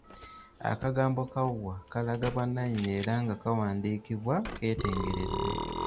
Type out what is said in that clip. Akagambo ka "wa" kalaga bwanannyini era nga kawandiikibwa keetengeredde.